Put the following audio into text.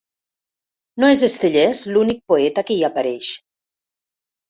No és Estellés l'únic poeta que hi apareix.